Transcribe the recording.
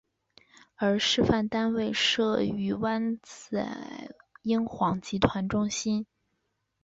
而示范单位设于湾仔英皇集团中心。